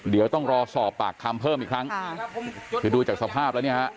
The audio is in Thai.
เดี๋ยวต้องรอสอบปากคำเพิ่มอีกครั้งคือดูจากสภาพแล้วเนี่ยฮะ